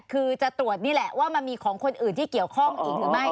คือจะตรวจนี่แหละว่ามันมีของคนอื่นที่เกี่ยวข้องอีกหรือไม่